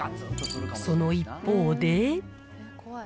その一方で。